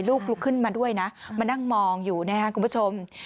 ลูกลุกขึ้นมาด้วยนะมานั่งมองอยู่นะครับคุณผู้ชม